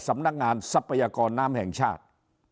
สำนักงานทรัพยากรน้ำแห่งชาติ